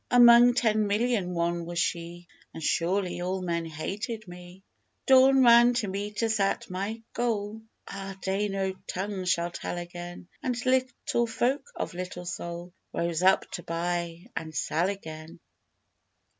Among ten million one was she, And surely all men hated me! Dawn ran to meet us at my goal Ah, day no tongue shall tell again! And little folk of little soul Rose up to buy and sell again!